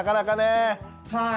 はい。